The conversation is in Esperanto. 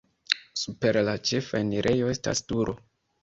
Super la ĉefa enirejo estas turo.